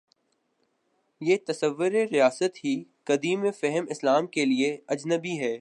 یہ تصور ریاست ہی قدیم فہم اسلام کے لیے اجنبی ہے۔